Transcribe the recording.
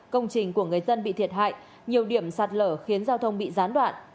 công trình của người dân bị thiệt hại nhiều điểm sạt lở khiến giao thông bị gián đoạn